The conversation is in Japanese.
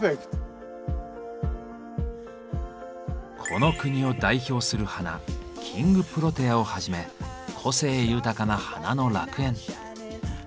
この国を代表する花「キングプロテア」をはじめ個性豊かな花の楽園。